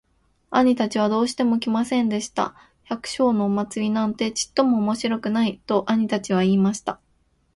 兄たちはどうしても来ませんでした。「百姓のお祭なんてちっとも面白くない。」と兄たちは言いました。